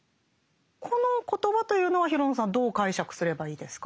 この言葉というのは廣野さんどう解釈すればいいですか？